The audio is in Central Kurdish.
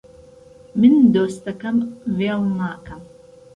من دۆستەکەم وێڵ ناکەم